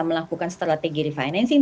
melakukan strategi refinancing